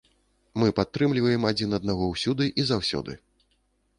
Мы падтрымліваем адзін аднаго ўсюды і заўсёды.